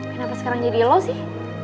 kenapa sekarang jadi law sih